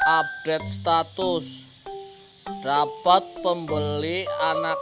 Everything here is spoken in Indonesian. update status dapat pembeli anak